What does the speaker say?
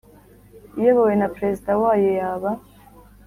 Iyobowe na perezida wayo yaba